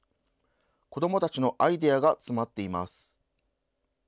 子どもたちのアイデアが詰まっています。